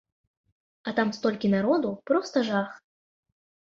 А там столькі народу, проста жах.